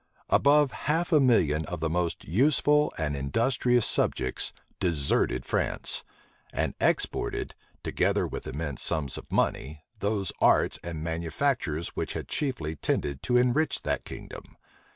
Above half a million of the most useful and industrious subjects deserted France; and exported, together with immense sums of money, those arts and manufactures which had chiefly tended to enrich that kingdom.